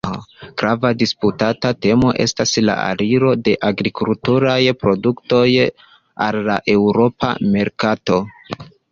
Grava disputata temo estas la aliro de agrikulturaj produktoj al la eŭropa merkato.